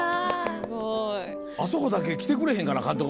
うわ！あそこだけ来てくれへんかな監督